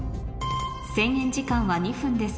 制限時間は２分です